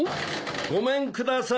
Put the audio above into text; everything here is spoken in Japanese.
・・ごめんください。